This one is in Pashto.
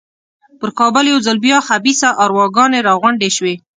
پر کابل یو ځل بیا خبیثه ارواګانې را غونډې شوې.